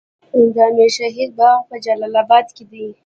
د امیر شهید باغ په جلال اباد کې دی